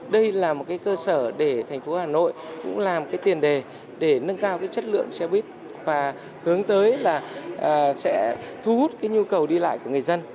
đây là một cơ sở để thành phố hà nội cũng làm cái tiền đề để nâng cao chất lượng xe buýt và hướng tới là sẽ thu hút cái nhu cầu đi lại của người dân